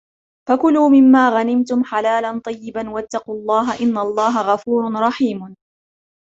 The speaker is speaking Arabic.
فَكُلُوا مِمَّا غَنِمْتُمْ حَلَالًا طَيِّبًا وَاتَّقُوا اللَّهَ إِنَّ اللَّهَ غَفُورٌ رَحِيمٌ